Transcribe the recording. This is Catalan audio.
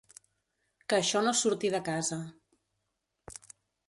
Que això no surti de casa.